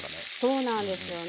そうなんですよね